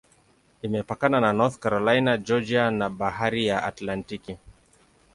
Imepakana na North Carolina, Georgia na Bahari ya Atlantiki.